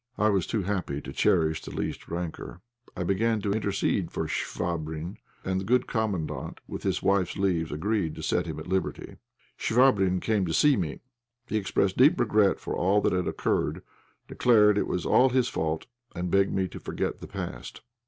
I was too happy to cherish the least rancour. I began to intercede for Chvabrine, and the good Commandant, with his wife's leave, agreed to set him at liberty. Chvabrine came to see me. He expressed deep regret for all that had occurred, declared it was all his fault, and begged me to forget the past.